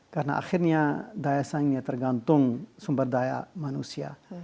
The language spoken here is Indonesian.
karena akhirnya daya saingnya tergantung sumber daya manusia